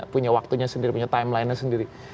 punya waktunya sendiri punya timelinenya sendiri